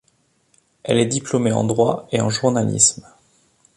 Elle est diplômée en droit et en journalisme.